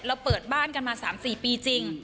เปิดบ้านกันมา๓๔ปีจริง